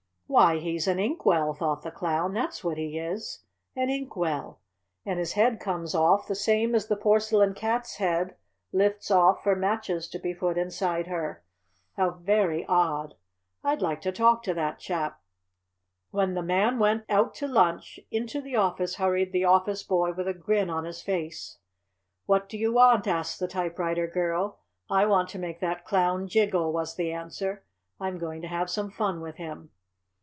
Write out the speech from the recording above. "Why, he's an ink well!" thought the Clown. "That's what he is! An ink well! And his head comes off the same as the Porcelain Cat's head lifts off for matches to be put inside her. How very odd! I'd like to talk to that chap." When the Man went out to lunch, into the office hurried the office boy with a grin on his face. "What do you want?" asked the typewriter girl. "I want to make that Clown jiggle," was the answer. "I'm going to have some fun with him."